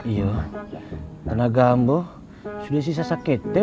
iya tenaga ambo sudah kagak kuat banget bang ustadz